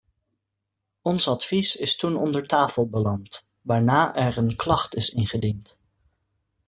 Ons advies is toen onder tafel beland, waarna er een klacht is ingediend.